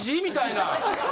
みたいな。